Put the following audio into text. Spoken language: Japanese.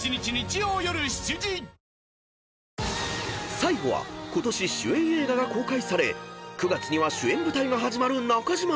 ［最後はことし主演映画が公開され９月には主演舞台が始まる中島］